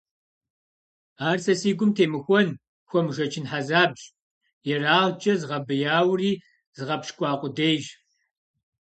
Ар сэ си гум темыхуэн, хуэмышэчын хьэзабщ, ерагъкӀэ згъэбэяури згъэпщкӀуа къудейщ.